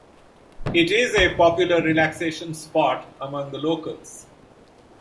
It is a popular relaxation spot among the locals.